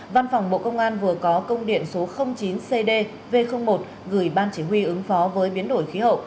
văn phòng bộ công an vừa có công điện số chín cdv một gửi ban chỉ huy ứng phó với biến đổi khí hậu